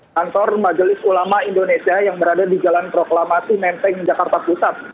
kantor majelis ulama indonesia yang berada di jalan proklamasi menteng jakarta pusat